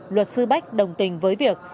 luật sư bách đồng tình với việc